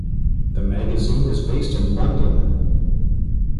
The magazine is based in London.